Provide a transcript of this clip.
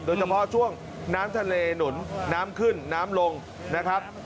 โดยเฉพาะช่วงน้ำทะเลหนุนน้ำขึ้นน้ำลงนะครับ